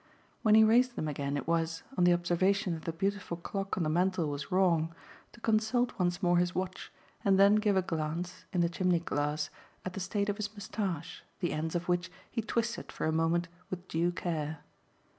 When he raised them again it was, on the observation that the beautiful clock on the mantel was wrong, to consult once more his watch and then give a glance, in the chimney glass, at the state of his moustache, the ends of which he twisted for a moment with due care.